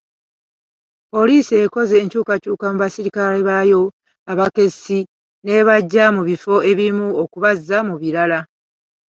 Poliisi ekoze enkyukakyuka mu basirikale baayo abakessi n'ebaggya mu bifo ebimu okubazza mu birala.